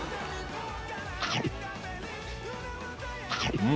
うん。